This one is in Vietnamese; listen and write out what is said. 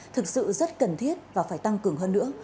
thực sự rất cần thiết và phải tăng cường hơn nữa